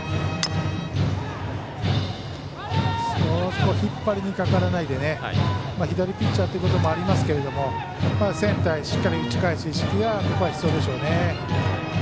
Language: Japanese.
少し引っ張りにかからず左ピッチャーということもありますけれどもセンターへしっかり打ち返す意識がここは必要でしょうね。